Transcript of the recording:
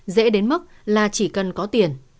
dễ đến mức là chỉ cần có tiền